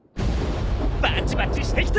バチバチしてきた！